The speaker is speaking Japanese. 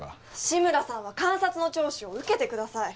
志村さんは監察の聴取を受けてください